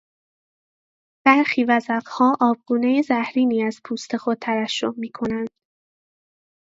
برخی وزغها آبگونهی زهرینی از پوست خود ترشح میکنند.